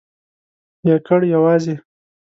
یکړ...یوازی ..